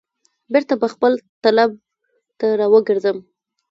بیرته به خپل طلب ته را وګرځم.